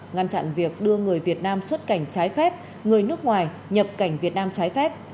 ngăn chặn việc đưa người việt nam xuất cảnh trái phép người nước ngoài nhập cảnh việt nam trái phép